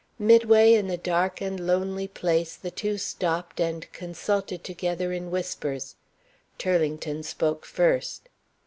Midway in the dark and lonely place the two stopped and consulted together in whispers. Turlington spoke first.